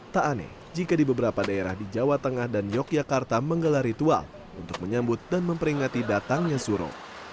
tak aneh jika di beberapa daerah di jawa tengah dan yogyakarta menggelar ritual untuk menyambut dan memperingati datangnya suro